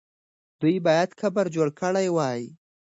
دوی باید قبر جوړ کړی وای.